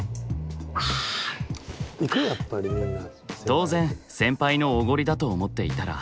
当然先輩のおごりだと思っていたら。